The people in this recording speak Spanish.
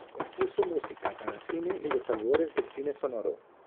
Compuso música para cine en los albores del cine sonoro.